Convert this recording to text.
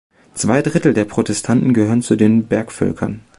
Zwei Drittel der Protestanten gehören zu den Bergvölkern.